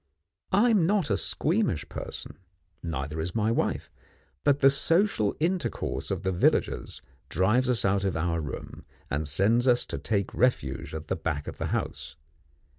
I am not a squeamish person, neither is my wife, but the social intercourse of the villagers drives us out of our room, and sends us to take refuge at the back of the house.